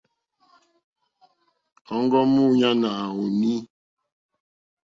Òŋɡó múɲánà à wùùnî.